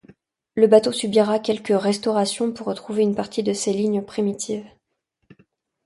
Le bateau subira quelques restaurations pour retrouver une partie de ses lignes primitives.